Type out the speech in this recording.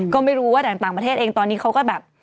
ก็ไม่รู้ว่าแต่ต่างประเทศเองตอนนี้เขาก็แบบ